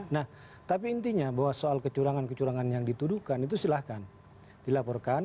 nah tapi intinya bahwa soal kecurangan kecurangan yang dituduhkan itu silahkan dilaporkan